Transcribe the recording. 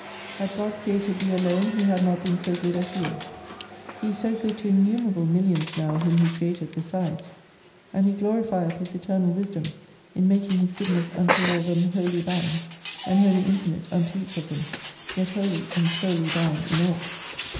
Had God created thee alone He had not been so good as He is. He is good to innumerable millions now whom He createth besides. And He glorifieth His eternal Wisdom, in making His goodness unto all them wholly thine, and wholly infinite unto each of them, yet wholly and solely thine in all.